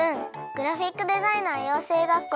グラフィックデザイナー養成学校